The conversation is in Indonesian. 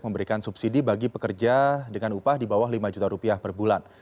memberikan subsidi bagi pekerja dengan upah di bawah lima juta rupiah per bulan